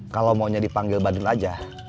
kalau maunya dipanggil bandel aja